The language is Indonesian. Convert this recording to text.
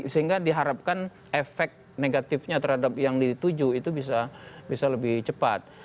sehingga diharapkan efek negatifnya terhadap yang dituju itu bisa lebih cepat